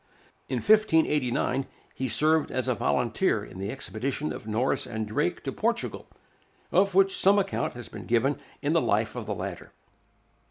In 1589 he served as a volunteer in the expedition of Norris and Drake to Portugal, of which some account has been given in the life of the latter.